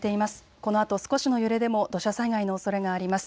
このあと少しの揺れでも土砂災害のおそれがあります。